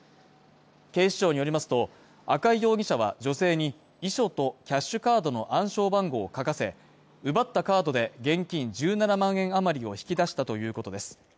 警視庁によりますと、赤井容疑者は女性に遺書とキャッシュカードの暗証番号を書かせ、奪ったカードで現金１７万円余りを引き出したということです。